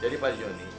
jadi pak joni